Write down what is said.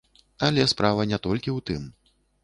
Але справа не толькі ў тым.